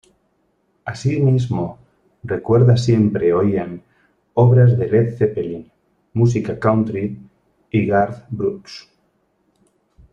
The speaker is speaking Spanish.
Asimismo, recuerda siempre oían obras de Led Zeppelin, música "country" y Garth Brooks.